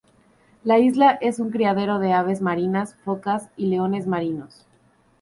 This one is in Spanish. La isla es un criadero de aves marinas, focas y leones marinos.